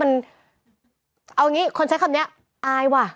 เอาอย่างนี้คนใช้คำนี้อายว่ะ